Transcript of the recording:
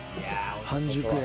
半熟や。